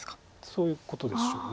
そういうことでしょう。